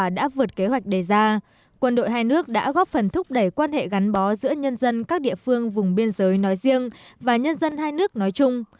đã vượt kế hoạch đề ra quân đội hai nước đã góp phần thúc đẩy quan hệ gắn bó giữa nhân dân các địa phương vùng biên giới nói riêng và nhân dân hai nước nói chung